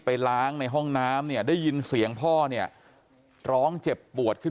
ล้างในห้องน้ำเนี่ยได้ยินเสียงพ่อเนี่ยร้องเจ็บปวดขึ้น